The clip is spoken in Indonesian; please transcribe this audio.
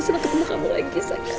selamat ketemu kamu lagi